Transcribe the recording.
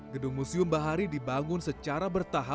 gedung museum bahari dibangun secara bertahap